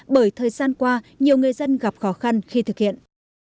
bởi thời gian qua nhiều người dân gặp khó khăn khi thực hiện